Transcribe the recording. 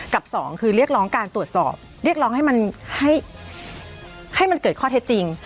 สองคือเรียกร้องการตรวจสอบเรียกร้องให้มันให้มันเกิดข้อเท็จจริง